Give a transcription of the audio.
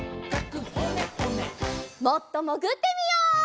もっともぐってみよう！